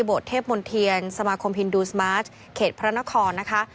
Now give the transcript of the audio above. เทพมนเทียนสมาคมฮินดูสมาร์ทเขตพระนครนะคะ